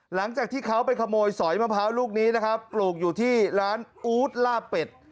หลังจากที่เขาไปขโมยสอยมะพร้าวลูกนี้นะครับปลูกอยู่ที่ร้านอู๊ดลาบเป็ด